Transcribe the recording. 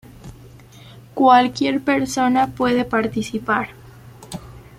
Cualquier persona puede participar.